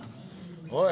おい！